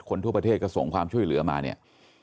ทั่วประเทศก็ส่งความช่วยเหลือมาเนี่ย